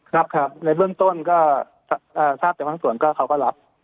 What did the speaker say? ครับครับในเบื้องต้นก็ทราบแต่บางส่วนก็เขาก็รับ